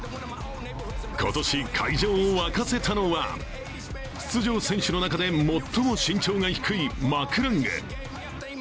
今年、会場を沸かせたのは出場選手の中で最も身長が低いマラング。